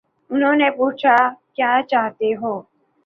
انہوں نے پوچھا: کیا چاہتے ہو؟